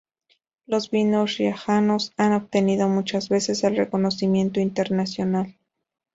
Los vinos riojanos han obtenido muchas veces el reconocimiento internacional.